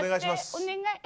お願い。